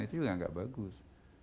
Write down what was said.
itu juga gak bagus